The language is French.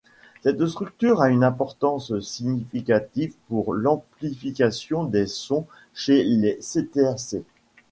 Cette structure a une importance significative pour l'amplification des sons chez les cétacés.